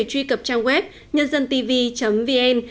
truy cập trang web nhân dân tv vn